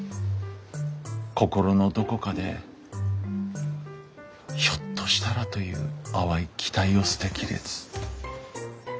心のどこかでひょっとしたらという淡い期待を捨て切れず。